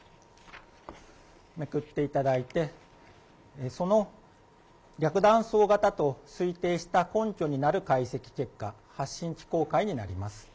めくっていただいて、その逆断層型と推定した根拠になる解析結果、発震機構かいになります。